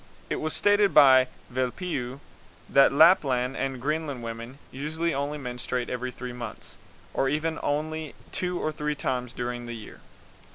It was stated by Velpeau that Lapland and Greenland women usually only menstruate every three months, or even only two or three times during the year.